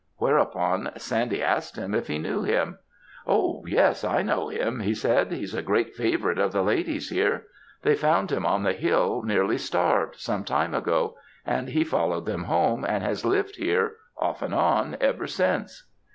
Whereupon Sandy asked him if he knew him. "Oh, yes, I know him," he said; "he's a great favourite of the ladies here. They found him on the hill nearly starved, some time ago, and he followed them home, and has lived here, off and on, ever since."